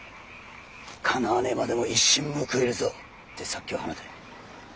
かなわねえまでも一矢報いるぞって殺気を放て。